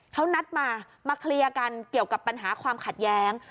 เขานัดมามาเคลียร์กันเกี่ยวกับปัญหาความขัดแย้ง